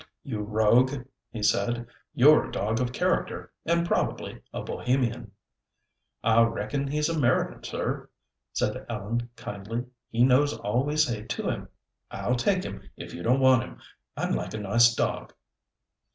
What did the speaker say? "You rogue," he said, "you're a dog of character, and probably a Bohemian." "I reckon he's American, sir," said Ellen kindly. "He knows all we say to him. I'll take him, if you don't want him. I'd like a nice dog."